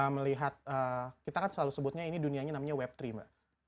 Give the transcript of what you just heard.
melihat kita kan selalu sebutnya ini dunianya namanya web tiga mbak